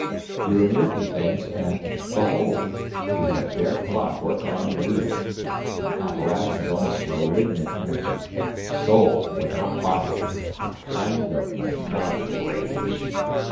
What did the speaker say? You remove the things and, behold! you have bare clockwork on wheels, an apparatus of almost malignant energy, soul without body, a kind of metallic rage.